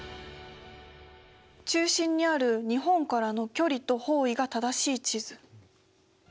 中心にある日本からの距離と方位が正しい地図。